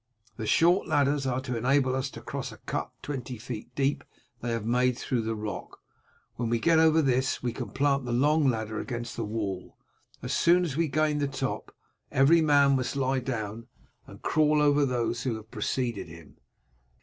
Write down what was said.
The short ladders are to enable us to cross a cut twenty feet deep they have made through the rock; when we get over this we can plant the long ladder against the wall. As soon as we gain the top every man must lie down and crawl along over those who have preceded him.